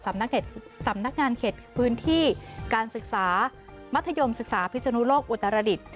สำนักงานเขตพื้นที่การศึกษามัธยมศึกษาพิศนุโลกอุตรดิษฐ์